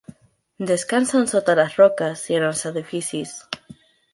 Descansen sota les roques i en els edificis.